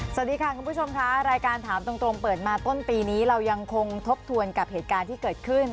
สวัสดีค่ะคุณผู้ชมค่ะรายการถามตรงเปิดมาต้นปีนี้เรายังคงทบทวนกับเหตุการณ์ที่เกิดขึ้น